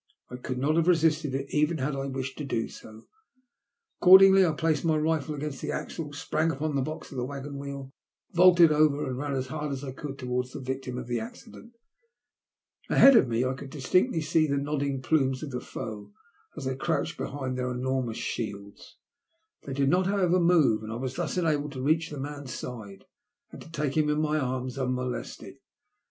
I could not have re sisted it, even had I wished to do so. Accordingly, I placed my rifle against the axle, sprang upon the box of the waggon wheel, vaulted over, and ran as hard as I could go towards the victim of the accident. Ahead of me I could distinctly see the nodding plumes of the foe as they crouched behind their enormous shields. They did not, however, move, and I was thus enabled to reach the man*s side, and to take him in my arms unmolested.